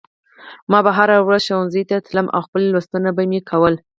ما به هره ورځ ښوونځي ته تلم او خپل لوستونه به مې کول